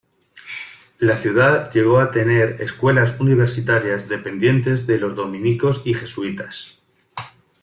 La ciudad llegó a tener escuelas universitarias dependientes de los dominicos y jesuitas.